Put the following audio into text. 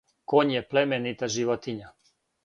Коњ је племенита животиња.